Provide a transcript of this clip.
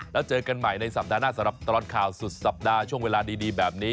แล้วเจอกันใหม่ในสัปดาห์หน้าสำหรับตลอดข่าวสุดสัปดาห์ช่วงเวลาดีแบบนี้